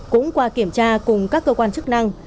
cũng qua kiểm tra cùng các cơ quan chức năng